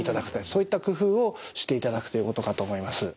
そういった工夫をしていただくということかと思います。